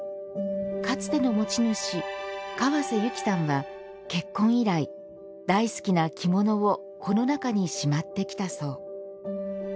かつての持ち主・川瀬ゆきさんは結婚以来、大好きな着物をこの中にしまってきたそう。